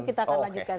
kita akan lanjutkan